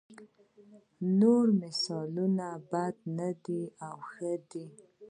نور مثالونه بد نه دي او ښه دي.